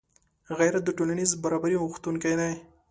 غیرت د ټولنیز برابري غوښتونکی دی